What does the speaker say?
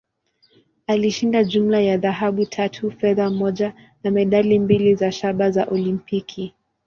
Alishinda jumla ya dhahabu tatu, fedha moja, na medali mbili za shaba za Olimpiki.